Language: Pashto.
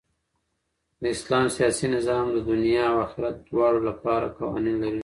د اسلام سیاسي نظام د دؤنيا او آخرت دواړو له پاره قوانين لري.